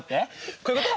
こういうこと？